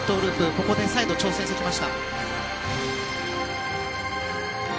ここで再度挑戦してきました。